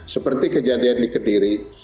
seperti kejadian di kediri